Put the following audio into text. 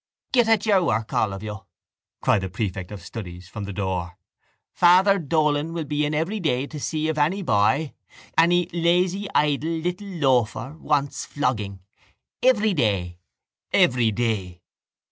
—Get at your work, all of you, cried the prefect of studies from the door. Father Dolan will be in every day to see if any boy, any lazy idle little loafer wants flogging. Every day. Every day.